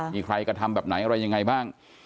มีใครกระทำแบบไหนอะไรยังไงบ้าง